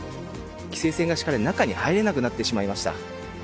規制線が敷かれ中に入れなくなってしまいました。